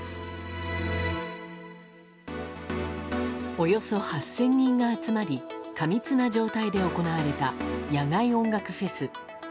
およそ８０００人が集まり過密な状態で行われた野外音楽フェス。